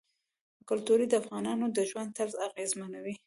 کلتور د افغانانو د ژوند طرز اغېزمنوي.